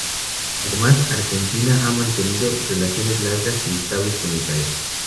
Además, Argentina ha mantenido relaciones largas y estables con Israel.